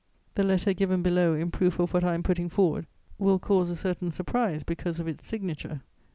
The letter given below in proof of what I am putting forward will cause a certain surprise because of its signature.